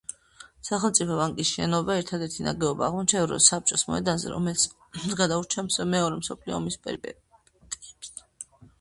სახელმწიფო ბანკის შენობა ერთადერთი ნაგებობა აღმოჩნდა საბჭოს მოედანზე, რომელიც გადაურჩა მეორე მსოფლიო ომის პერიპეტიებს.